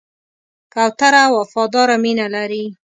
کوتره وفاداره مینه لري.